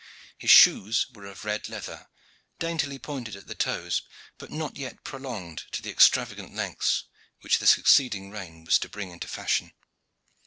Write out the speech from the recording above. His shoes were of red leather, daintily pointed at the toes, but not yet prolonged to the extravagant lengths which the succeeding reign was to bring into fashion.